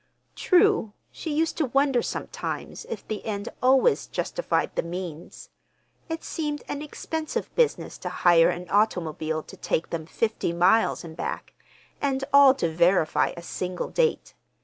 True, she used to wonder sometimes if the end always justified the means—it seemed an expensive business to hire an automobile to take them fifty miles and back, and all to verify a single date.